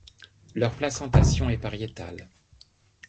Leur placentation est pariétale.